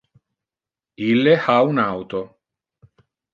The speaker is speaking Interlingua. Ille ha un auto.